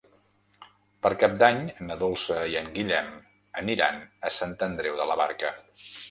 Per Cap d'Any na Dolça i en Guillem aniran a Sant Andreu de la Barca.